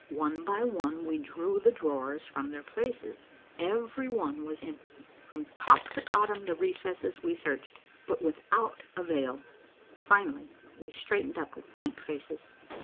One by one we drew the drawers from their places. Every one was empty. From top to bottom of the recess we searched, but without avail. Finally we straightened up with blank faces.